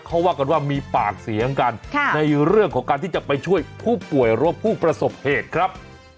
เขาว่ากันว่ามีปากเสียงกันในเรื่องของการที่จะไปช่วยผู้ป่วยหรือว่าผู้ประสบเหตุครับ